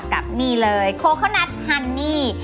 กับนี่เลยโคนัทฮันนี่